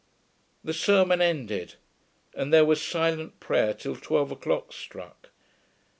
The sermon ended, and there was silent prayer till twelve o'clock struck.